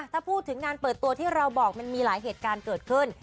ถ้าพูดถึงงานเปิดตัวที่เราบอกมันมีหลายเหตุการณ์เกิดขึ้น